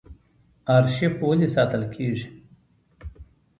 ارشیف ولې ساتل کیږي؟